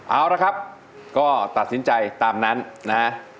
เอาละครับก็ตัดสินใจตามนั้นนะฮะ